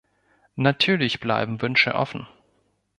Natürlich bleiben Wünsche offen.